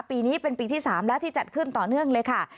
ปีนี้เป็นปีที่๓แล้วที่จัดขึ้นต่อเนื่องเลยค่ะ